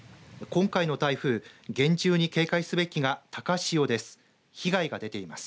今回の台風厳重に警戒すべきが高潮です。